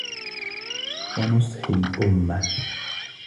وَنُصْحُ الْأُمَّةِ